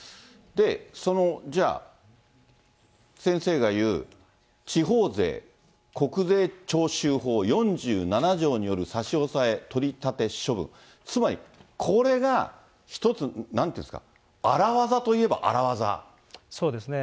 じゃあ、先生が言う、地方税・国税徴収法４７条による差し押さえ・取り立て処分、つまり、これが一つ、なんて言うんですか、そうですね。